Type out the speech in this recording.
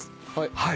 はい。